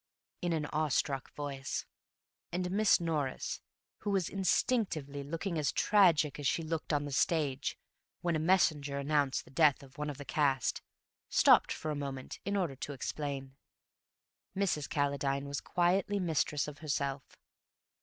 in an awe struck voice, and Miss Norris, who was instinctively looking as tragic as she looked on the stage when a messenger announced the death of one of the cast, stopped for a moment in order to explain. Mrs. Calladine was quietly mistress of herself.